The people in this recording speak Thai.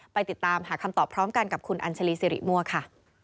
ไปติดตามหาคำตอบพร้อมกันกับคุณอัญชาลีสิริมั่วค่ะ